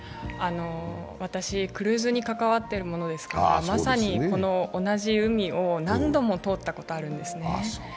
私、クルーズに関わっているものですから、まさにこの同じ海を何度も通ったことあるんですね。